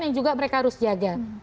yang juga mereka harus jaga